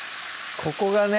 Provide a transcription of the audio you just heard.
ここがね